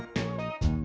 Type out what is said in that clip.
bawel apa sih lu